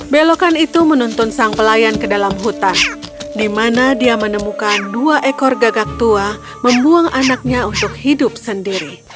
belokan itu menuntun sang pelayan ke dalam hutan di mana dia menemukan dua ekor gagak tua membuang anaknya untuk hidup sendiri